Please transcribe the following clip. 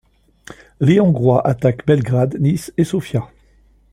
Les Hongrois attaquent Belgrade, Niš et Sofia.